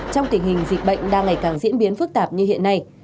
trong tình hình dịch bệnh đang ngày càng diễn biến phức tạp như hiện nay